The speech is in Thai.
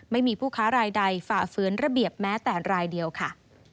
ไม่มีผู้ค้ารายใดฝ่าฝืนระเบียบแม้แต่รายเดียวค่ะ